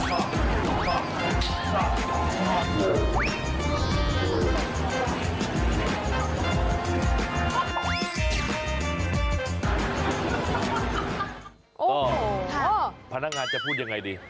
โอ้โหพนักงานจะพูดยังไงดี